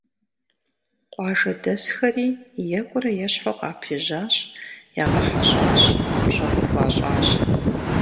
Къуажэдэсхэри екӀурэ-ещхьу къапежьащ, ягъэхьэщӀащ, пщӀэ къыхуащӀащ.